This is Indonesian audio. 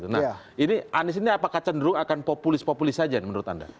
nah ini anies ini apakah cenderung akan populis populis saja menurut anda